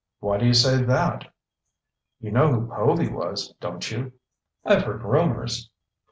"Why do you say that?" "You know who Povy was, don't you?" "I've heard rumors."